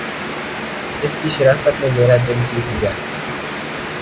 اس کی شرافت نے میرا دل جیت لیا